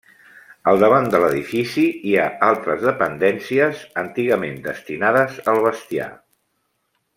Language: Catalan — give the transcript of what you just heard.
Al davant de l’edifici hi ha altres dependències, antigament destinades al bestiar.